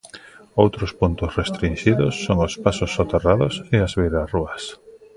Outros puntos restrinxidos son os pasos soterrados e as beirarrúas.